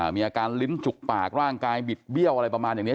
มีอาการลิ้นจุกปากร่างกายบิดเบี้ยวอะไรประมาณอย่างนี้